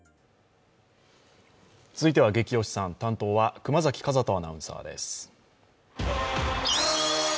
続いては「ゲキ推しさん」担当は熊崎風斗アナウンサーです。